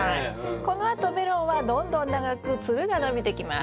このあとメロンはどんどん長くツルが伸びてきます。